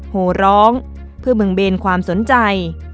โหร้องเพื่อมึงเบนความสนใจ